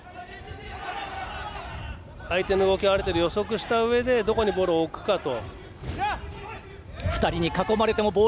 相手の動きをある程度予測したうえでどこにボールを置くかと。